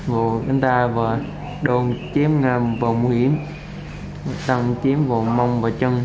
rồi anh ta đồn chiếm vào nguy hiểm tăng chiếm vào mông và chân